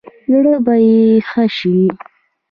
زړه به يې ښه شي.